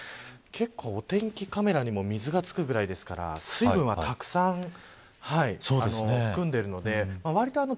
結構お天気カメラにも水がつくくらいですから水分はたくさん含んでいるのでわりと